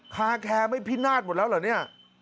คาแคร์ไม่พินาศหมดแล้วเหรอเนี่ย